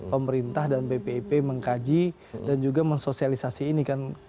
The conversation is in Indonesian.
pemerintah dan bpip mengkaji dan juga mensosialisasi ini kan